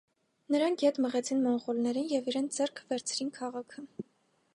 Նրանք ետ մղեցին մոնղոլներին և իրենց ձեռքը վերցրին քաղաքը։